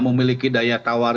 memiliki daya tawar